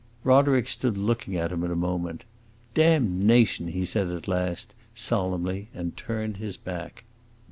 Roderick stood looking at him a moment. "Damnation!" he said at last, solemnly, and turned his back.